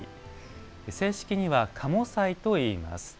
正式には賀茂祭といいます。